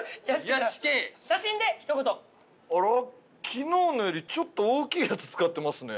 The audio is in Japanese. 昨日のよりちょっと大きいやつ使ってますね」